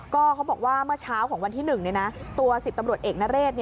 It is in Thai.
ก็เขาบอกว่าเมื่อเช้าของวันที่๑ตัว๑๐ตำรวจเอกนเรศ